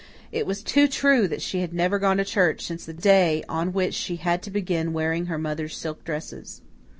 It was too true that she had never gone to church since the day on which she had to begin wearing her mother's silk dresses.